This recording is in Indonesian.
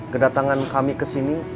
kedatangan kami kesini